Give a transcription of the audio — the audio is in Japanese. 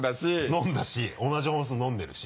飲んだし同じ本数飲んでるし。